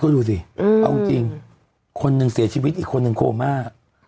ดูสิเอาจริงคนหนึ่งเสียชีวิตอีกคนนึงโคม่า